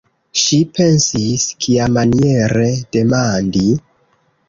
Ŝi pensis: kiamaniere demandi?